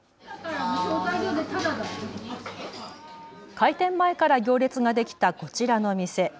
開店前から行列ができたこちらの店。